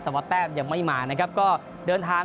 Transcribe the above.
แต่ว่าแต้มยังไม่มานะครับก็เดินทาง